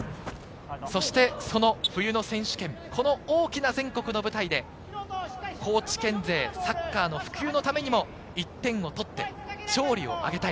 そしてその冬の選手権、この大きな全国の舞台で、高知県勢、サッカーの普及のためにも１点を取って勝利を挙げたい。